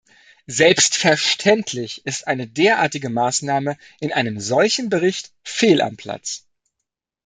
Selbstverständlich ist eine derartige Maßnahme in einem solchen Bericht fehl am Platz.